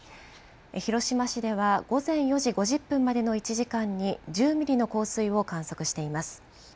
広島市では、午前４時５０分までの１時間に１０ミリの降水を観測しています。